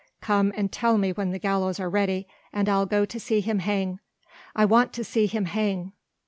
Come and tell me when the gallows are ready and I'll go to see him hang ... I want to see him hang...."